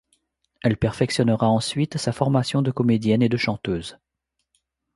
Elle perfectionnera ensuite sa formation de comédienne et de chanteuse.